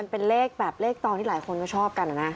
เป็นเลขแบบเลขตอนที่หลายคนก็ชอบกันนะ